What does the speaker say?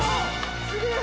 「すげえ！